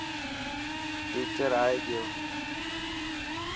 ٽيچر ائي گيو.